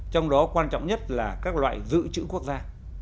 trong đó quan trọng nhất là các loại giữ chữ quốc gia